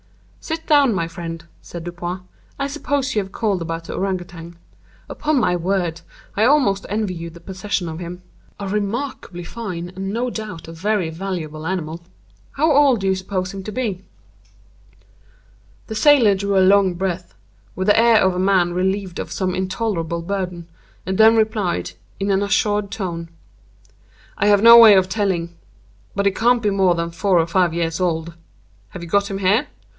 "Sit down, my friend," said Dupin. "I suppose you have called about the Ourang Outang. Upon my word, I almost envy you the possession of him; a remarkably fine, and no doubt a very valuable animal. How old do you suppose him to be?" The sailor drew a long breath, with the air of a man relieved of some intolerable burden, and then replied, in an assured tone: "I have no way of telling—but he can't be more than four or five years old. Have you got him here?"